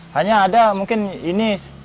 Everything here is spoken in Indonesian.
hanya ada mungkin ini